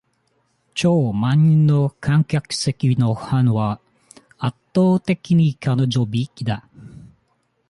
超満員の観客席のファンは、圧倒的に彼女びいきだ。